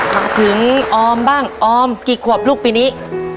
มาถึงออมบ้างออมกี่ขวบลูกปีนี้